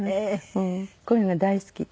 もうこういうのが大好きで。